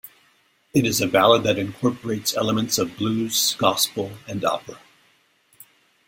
It is a ballad that incorporates elements of blues, gospel and opera.